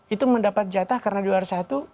itu mendapat jatah karena juara satu